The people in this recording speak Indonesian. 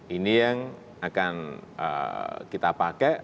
ini yang akan kita pakai